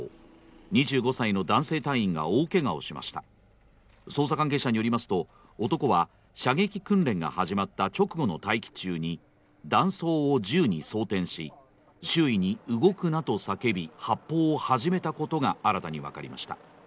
２５歳の男性隊員が大けがをしました捜査関係者によりますと男は射撃訓練が始まった直後の待機中に弾倉を銃に装填し、周囲に動くなと叫び、発砲を始めたことが新たに分かりました。